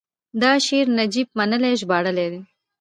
دا شعر نجیب منلي ژباړلی دی: